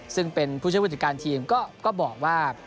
ซึ่งเป็นผู้ช่วยผู้จัดการทีมก็บอกว่า